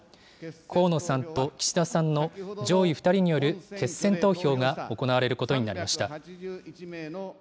河野さんと岸田さんの上位２人による決選投票が行われることになりました。